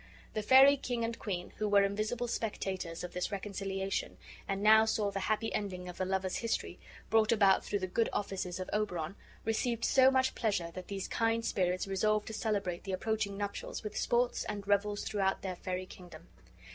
The fairy king and queen, who were invisible spectators of this reconciliation, and now saw the happy ending of the lovers' history, brought about through the good offices of Oberon, received so much pleasure that these kind spirits resolved to celebrate the approaching nuptials with sports and revels throughout their fairy kingdom.